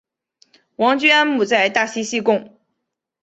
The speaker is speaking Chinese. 王居安墓在大溪西贡。